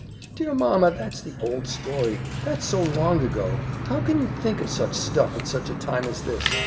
"Dear mamma, that's the old story! that's so long ago! How can you think of such old stuff at such a time as this?